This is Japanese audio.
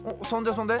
そんで？